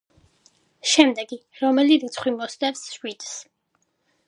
შემდეგი: რომელი რიცხვი მოსდევს შვიდს?